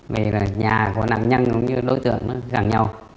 vì là nhà của nạn nhân cũng như đối tượng nó gần nhau